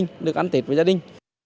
phạm nhân được ăn tết với gia đình